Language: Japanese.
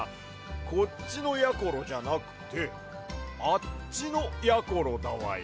こっちのやころじゃなくてあっちのやころだわや。